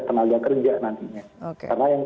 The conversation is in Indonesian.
tenaga kerja nantinya karena yang